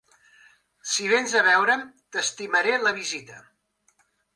Si vens a veure'm, t'estimaré la visita.